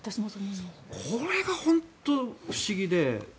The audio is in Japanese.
これが本当に不思議で。